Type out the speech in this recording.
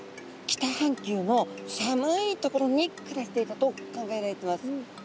北半球の寒い所に暮らしていたと考えられてます。